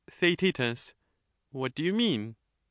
TheaeU What do you mean